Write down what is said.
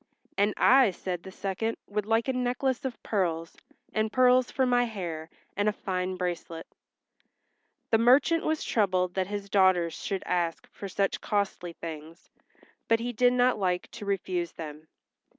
"And I," said the second, "would like a necklace of pearls, and pearls for my hair, and a fine bracelet." The merchant was troubled that his daughters should ask for such costly things, but he did not like to refuse them.